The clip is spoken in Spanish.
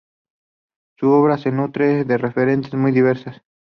Su obra se nutre de referentes muy diversas.